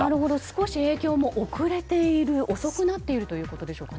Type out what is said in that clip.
少し影響も遅れている遅くなっているということでしょうか。